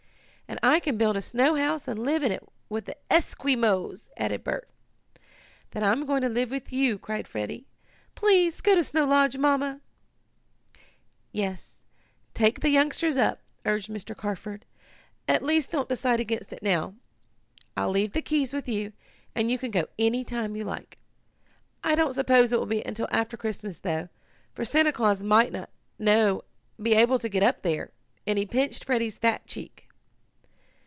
"And I can build a snowhouse and live in it like the Esquimos," added Bert. "Then I'm going to live with you!" cried Freddie. "Please go to Snow Lodge, Mamma!" "Yes, take the youngsters up," urged Mr. Carford. "At least don't decide against it now. I'll leave the keys with you, and you can go any time you like. I don't suppose it will be until after Christmas, though, for Santa Claus might not be able to get up there," and he pinched Freddie's fat cheek.